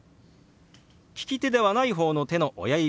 利き手ではない方の手の親指